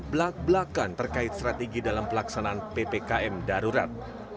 belak belakan terkait strategi dalam pelaksanaan ppkm darurat